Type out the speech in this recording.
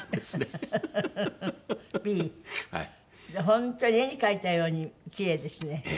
本当に絵に描いたようにキレイですね。